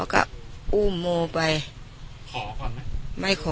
พอก็อู้มโมไปไม่ขอ